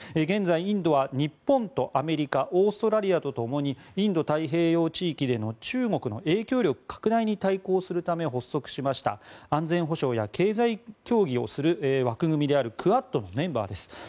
現在、インドは日本とアメリカオーストラリアとともにインド太平洋地域での中国の影響力拡大に対抗するため発足しました安全保障や経済協議をする枠組みであるクアッドのメンバーです。